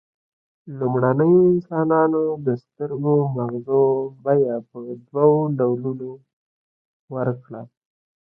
لومړنیو انسانانو د سترو مغزو بیه په دوو ډولونو ورکړه.